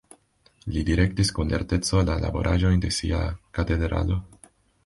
Li direktis kun lerteco la laboraĵojn de sia katedralo.